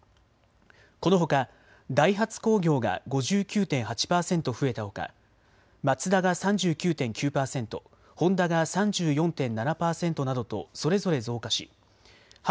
このほかダイハツ工業が５９．８％増えたほかマツダが３９．９％、ホンダが３４．７％などとそれぞれ増加し８